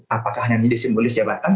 apakah hanya menjadi simbolis jabatan